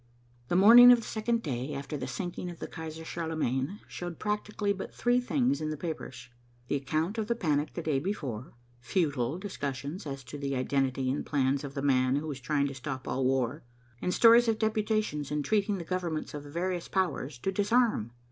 The morning of the second day after the sinking of the Kaiser Charlemagne showed practically but three things in the papers; the account of the panic the day before; futile discussions as to the identity and plans of the man who was trying to stop all war; and stories of deputations entreating the governments of the various powers to disarm.